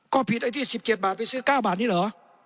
ก็ผิดไอ้ที่๑๗บาทไปซื้อ๙บาทนี้เหรอ